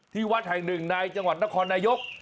วัดแห่งหนึ่งในจังหวัดนครนายก